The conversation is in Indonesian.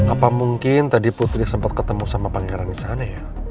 apa mungkin tadi putri sempat ketemu sama pangeran di sana ya